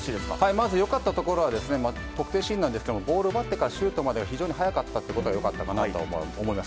まず良かったところは得点シーンですがボールを奪ってからシュートまでが非常に早かったのが良かったかなと思います。